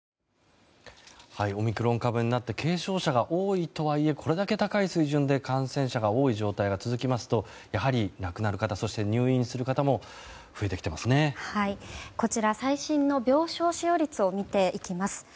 オミクロン株になって軽症者が多いとはいえこれだけ高い水準で感染者が多い状態が続きますとやはり亡くなる方入院される方も増えてきていますね。